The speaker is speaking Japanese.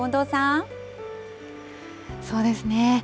そうですね。